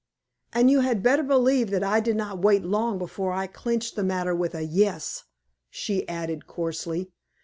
And you had better believe that I did not wait long before I clinched the matter with a yes," she added, coarsely.